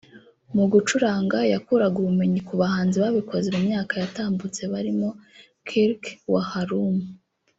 Mu gucuranga yakuraga ubumenyi ku bahanzi babikoze mu myaka yatambutse barimo Kirk Whalum